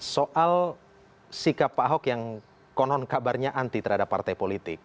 soal sikap pak ahok yang konon kabarnya anti terhadap partai politik